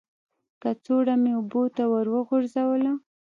کڅوړه مې اوبو ته ور وغورځوله.